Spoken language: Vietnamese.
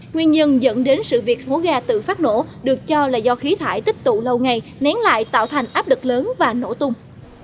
nguyên nhân dẫn đến sự việc hố ga tự phát nổ được cho là do khí thải tích tụ lâu ngày nén lại tạo thành áp lực lớn và nổ tung